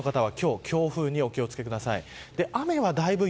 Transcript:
沿岸部の方は強風にお気を付けください。